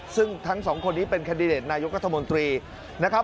ซึ่งทั้งสองคนนี้เป็นแคนดิเดตนายกรัฐมนตรีนะครับ